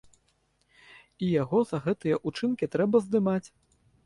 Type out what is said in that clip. І яго за гэтыя ўчынкі трэба здымаць.